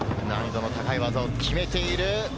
難易度の高い技を決めている。